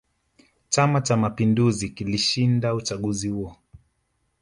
chama cha mapinduzi kilishinda uchaguzi huo